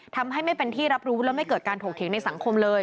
ทำให้ไม่เป็นที่รับรู้และไม่เกิดการถกเถียงในสังคมเลย